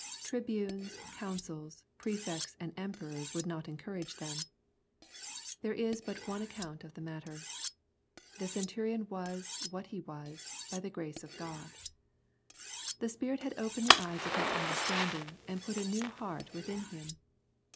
Tribunes, consuls, pre fects and emperors would not encourage them. — ^There is but one account of the matter. The centurion was what he was " by the grace of God." The Spirit had opened the eyes of his understanding, and put a new heart within him.